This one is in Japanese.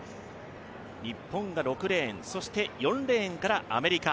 日本が６レーン、そして４レーンからアメリカ。